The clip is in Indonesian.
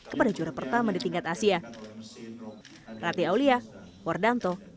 kepada juara pertama di tingkat asia